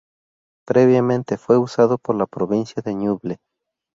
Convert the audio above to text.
Previamente fue usado por la Provincia de Ñuble.